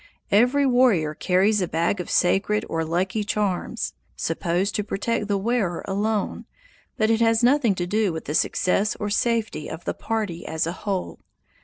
Every warrior carries a bag of sacred or lucky charms, supposed to protect the wearer alone, but it has nothing to do with the success or safety of the party as a whole.